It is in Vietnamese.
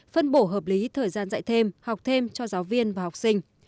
phân bổ hợp lý thời gian dạy thêm học thêm cho giáo viên và học sinh